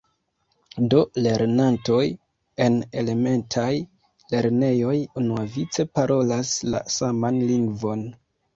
Do lernantoj en elementaj lernejoj unuavice parolas la saman lingvon.